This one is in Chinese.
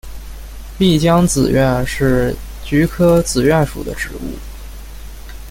丽江紫菀是菊科紫菀属的植物。